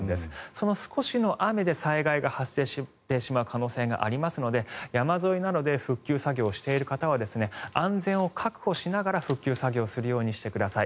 その少しの雨で災害が発生してしまう可能性がありますので山沿いなどで復旧作業をしている方は安全を確保しながら復旧作業するようにしてください。